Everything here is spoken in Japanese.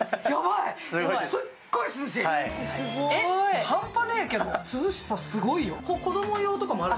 えっ、半端ないけど涼しさすごいよ。